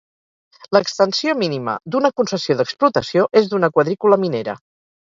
L'extensió mínima d'una concessió d'explotació és d'una quadrícula minera.